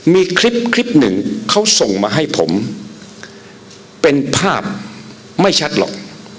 มีคลิปคลิปหนึ่งเขาส่งมาให้ผมเป็นภาพไม่ชัดหรอก